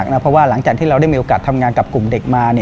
เพราะว่าหลังจากที่เราได้มีโอกาสทำงานกับกลุ่มเด็กมา